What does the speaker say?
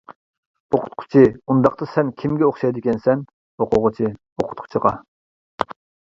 ئوقۇتقۇچى: ئۇنداقتا، سەن كىمگە ئوخشايدىكەنسەن؟ ئوقۇغۇچى: ئوقۇتقۇچىغا.